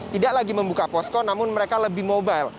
tidak lagi membuka posko namun mereka lebih mobile